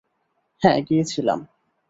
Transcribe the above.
হ্যাঁ, গিয়েছিলাম।